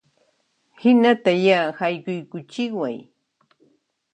Hinata ya, haykuykuchiway